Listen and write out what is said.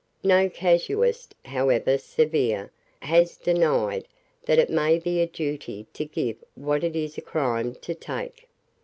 No casuist, however severe, has denied that it may be a duty to give what it is a crime to take.